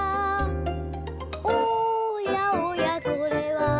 「おやおやこれは」